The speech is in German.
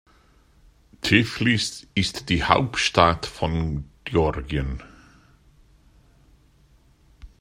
Tiflis ist die Hauptstadt von Georgien.